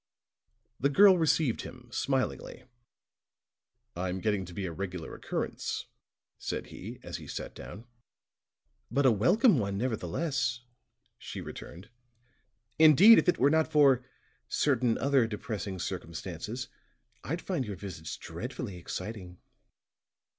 The girl received him smilingly. "I'm getting to be a regular occurrence," said he, as he sat down. "But a welcome one, nevertheless," she returned. "Indeed, if it were not for certain other depressing circumstances, I'd find your visits dreadfully exciting."